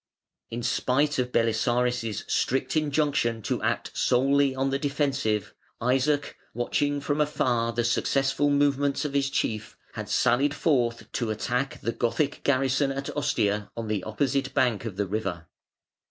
In spite of Belisarius' strict injunction to act solely on the defensive, Isaac, watching from afar the successful movements of his chief, had sallied forth to attack the Gothic garrison at Ostia on the opposite bank of the river.